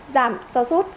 giảm so sút